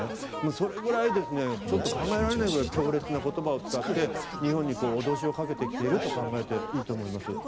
それぐらいちょっと考えられないくらい強烈な言葉を使って日本に脅しをかけていると考えていいと思います。